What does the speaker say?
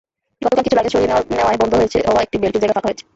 গতকাল কিছু লাগেজ সরিয়ে নেওয়ায় বন্ধ হওয়া একটি বেল্টের জায়গা ফাঁকা হয়েছে।